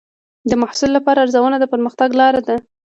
د محصل لپاره ارزونه د پرمختګ لار ده.